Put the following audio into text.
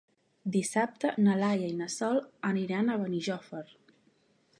Dissabte na Laia i na Sol aniran a Benijòfar.